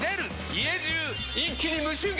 家中一気に無臭化！